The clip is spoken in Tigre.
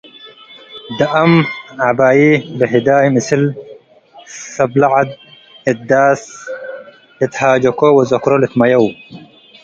ደአም ዐበዩ ለህዳይ ምስል ሰብለ ዐድ እት ዳስ ልትሃጄኮ ወዘክሮ ልትመየው ።